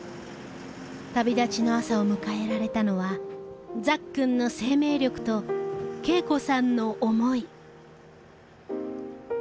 旅立ちの朝を迎えられたのはザッくんの生命力と恵子さんの思い。